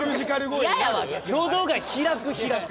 喉が開く開く。